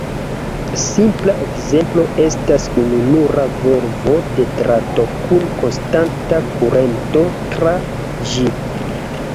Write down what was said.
Simpla ekzemplo estas ununura volvo de drato kun konstanta kurento tra ĝi.